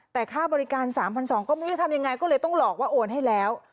แต่ค่าบริการ๓๒๐๐ก็ไม่รู้จะทำยังไงก็เลยต้องหลอกว่าโอนให้แล้ว